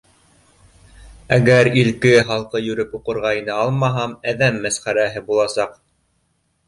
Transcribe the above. Әгәр илке-һалҡы йөрөп, уҡырға инә алмаһам, әҙәм мәсхәрәһе буласаҡ.